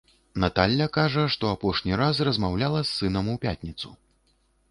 Наталля кажа, што апошні раз размаўляла з сынам у пятніцу.